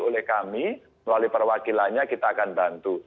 oleh kami melalui perwakilannya kita akan bantu